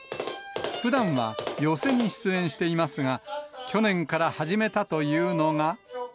ふだんは寄席に出演していますが、去年から始めたというのが。